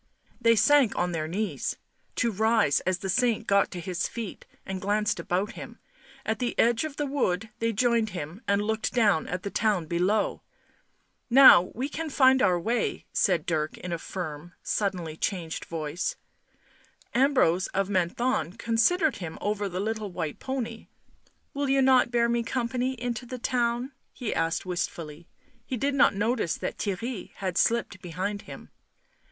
They sank on their knees, to rise as the saint got to his feet and glanced about him ; at the edge of the wood they joined him and looked down at the town below. "Now we can find our way," said Dirk in a firm, suddenly changed voice. Ambrose of Menthon considered him over the little white pony. " Will you not bear me company into the Digitized by UNIVERSITY OF MICHIGAN Original from UNIVERSITY OF MICHIGAN 78 BLACK MAGIC town?" he asked wistfully; he did not notice that Theirry had slipped behind him.